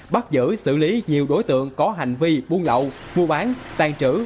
bắt giữ xử lý nhiều đối tượng có hành vi buôn lậu mua bán tàn trữ